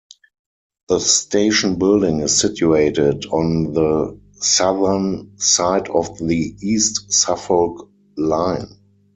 The station building is situated on the southern side of the East Suffolk Line.